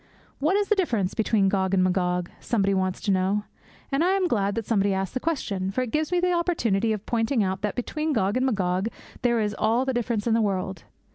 'What is the difference between Gog and Magog?' somebody wants to know; and I am glad that somebody asked the question, for it gives me the opportunity of pointing out that between Gog and Magog there is all the difference in the world.